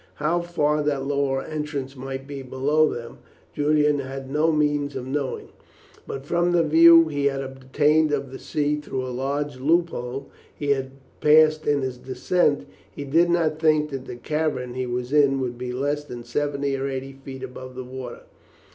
How far that lower entrance might be below them Julian had no means of knowing, but from the view he had obtained of the sea through a large loop hole he had passed in his descent, he did not think that the cavern he was in could be less than seventy or eighty feet above the water.